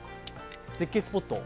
絶景スポット？